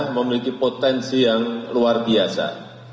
memiliki potensi yang luar biasa